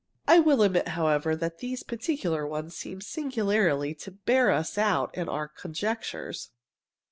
I will admit, however, that these particular ones seem singularly to bear us out in our conjectures."